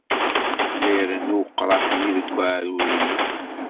La irennu weqraḥ-nni deg weɛrur-inu.